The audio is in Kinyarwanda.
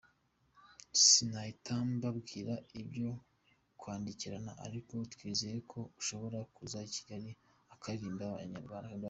Sinahita mbabwira ibyo twandikirana ariko twizeye ko ashobora kuza i Kigali akaririmbira Abanyarwanda.